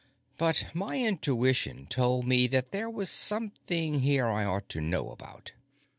But my intuition told me that there was something here I ought to know about.